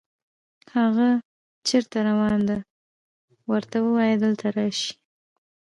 هاغه چېرته روان ده، ورته ووایه دلته راشي